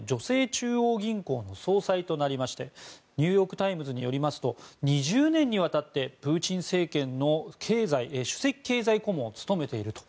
中央銀行の総裁となりましてニューヨーク・タイムズによりますと２０年にわたってプーチン政権の首席経済顧問を務めていると。